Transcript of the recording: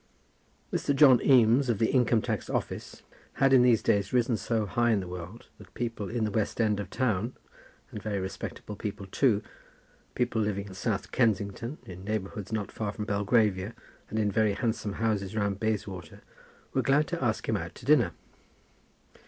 Mr. John Eames, of the Income tax Office, had in these days risen so high in the world that people in the west end of town, and very respectable people too, people living in South Kensington, in neighbourhoods not far from Belgravia, and in very handsome houses round Bayswater, were glad to ask him out to dinner.